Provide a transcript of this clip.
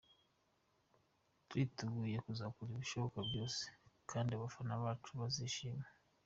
Turiteguye, tuzakora ibishoboka byose kandi abafana bacu bazishima.